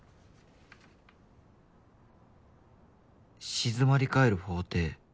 「静まり返る法廷。